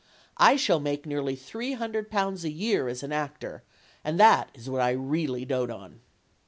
I shall make nearly three hundred pounds a year as an actor, and that is what I really dote on.